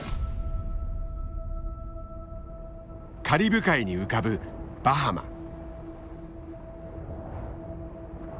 カリブ海に浮かぶバハマ。